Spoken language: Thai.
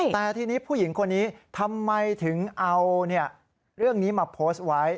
แต่ทีนี้ผู้หญิงคนนี้ทำไมถึงเอาเรื่องนี้มาโพสต์ไว้